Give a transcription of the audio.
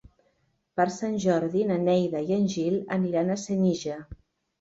Per Sant Jordi na Neida i en Gil aniran a Senija.